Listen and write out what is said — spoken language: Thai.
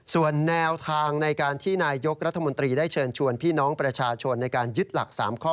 ส่วนแนวทางในการที่นายยกรัฐมนตรีได้เชิญชวนพี่น้องประชาชนในการยึดหลัก๓ข้อ